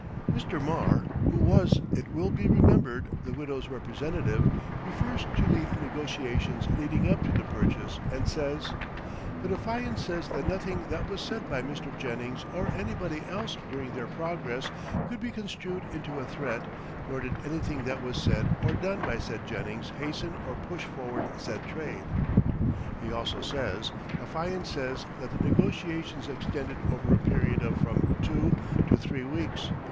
Mr. Marr, who was, it will be remembered, the widow's representative, refers to the negotiations leading up to the purchase and says: "But affiant says that nothing that was said by Mr. Jennings or anybody else during their progress could be construed into a threat, nor did anything that was said or done by said Jennings hasten or push forward said trade." He also says: "Affiant says that the negotiations extended over a period of from two to three weeks